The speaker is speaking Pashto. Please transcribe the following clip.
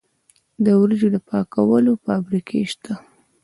د وریجو د پاکولو فابریکې شته.